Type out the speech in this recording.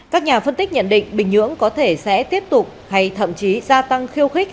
các nhà phân tích nhận định bình nhưỡng có thể sẽ tiếp tục hay thậm chí gia tăng khiêu khích